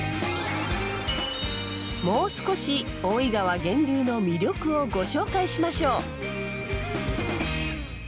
もう少し大井川源流の魅力をご紹介しましょう。